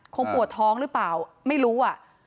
คงปวดท้องหรือเปล่าไม่รู้อ่ะ